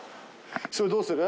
それどうする？